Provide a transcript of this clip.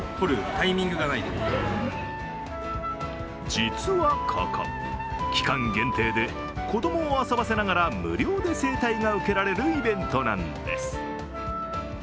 実はここ、期間限定で子供を遊ばせながら無料で整体が受けられるイベントなんです。